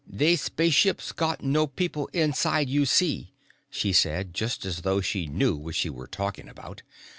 "They spaceships got no people inside, see you," she said, just as though she knew what she were talking about.